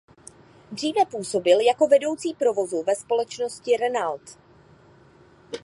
Dříve působil jako vedoucí provozu ve společnosti Renault.